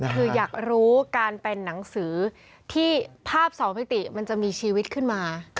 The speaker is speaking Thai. คืออยากรู้การเป็นหนังสือที่ภาพสองมิติมันจะมีชีวิตขึ้นมา